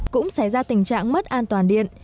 cũng xảy ra tình trạng mất an toàn điện